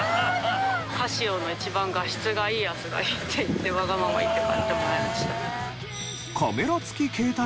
カシオの一番画質がいいやつがいいって言ってわがまま言って買ってもらいました。